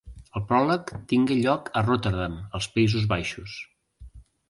El pròleg tingué lloc a Rotterdam, als Països Baixos.